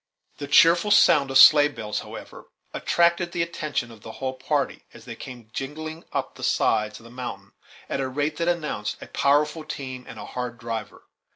The cheerful sound of sleigh bells, however, attracted the attention of the whole party, as they came jingling up the sides of the mountain, at a rate that announced a powerful team and a hard driver.